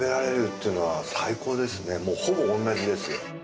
もうほぼ同じですよ。